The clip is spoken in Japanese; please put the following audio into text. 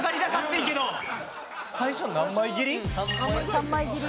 ３枚切り。